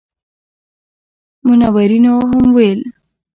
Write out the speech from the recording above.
منورینو هم ویل.